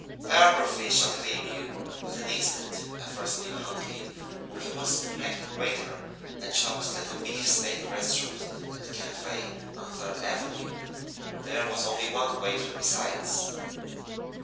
Biography shall claim you but an instant I first knew Hunky when he was head waiter at Chubb's little beefsteak restaurant and café on Third Avenue. There was only one waiter besides.